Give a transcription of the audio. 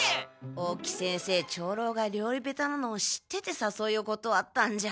大木先生長老が料理下手なのを知っててさそいをことわったんじゃ。